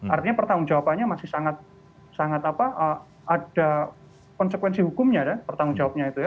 artinya pertanggung jawabannya masih sangat apa ada konsekuensi hukumnya pertanggung jawabnya itu ya